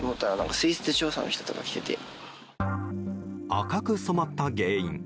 赤く染まった原因。